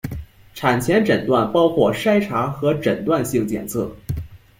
产前诊断包括筛查和诊断性检测。